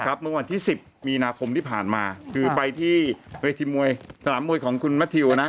เมื่อวันที่๑๐มีนาคมที่ผ่านมาคือไปที่เวทีมวยสนามมวยของคุณแมททิวนะ